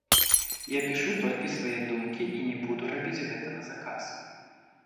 Я пішу толькі свае думкі і не буду рабіць гэта на заказ.